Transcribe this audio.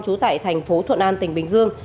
trú tại thành phố thuận an tỉnh bình dương